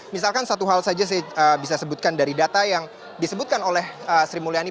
misalkan satu hal saja saya bisa sebutkan dari data yang disebutkan oleh sri mulyani